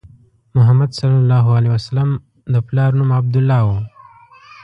محمد صلی الله علیه وسلم د پلار نوم عبدالله و.